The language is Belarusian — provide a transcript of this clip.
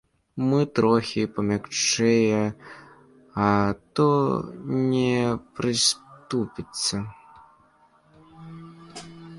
Мо трохі памякчэе, а то не прыступіцца.